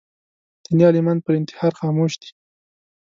دیني عالمان پر انتحار خاموش دي